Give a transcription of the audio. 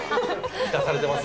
満たされてます？